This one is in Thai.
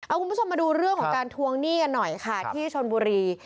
เอาคุณผู้ชมมาดูเรื่องของการทวงหนี้กันหน่อยค่ะที่ชนบุรี